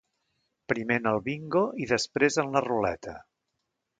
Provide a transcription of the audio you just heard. Primer en el bingo, i després en la ruleta.